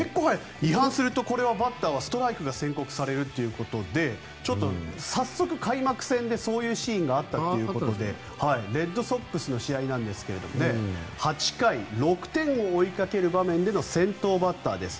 違反するとこれはバッターはストライクが宣告されるということでちょっと早速、開幕戦でそういうシーンがあったということでレッドソックスの試合なんですが８回、６点を追いかける場面での先頭バッターです。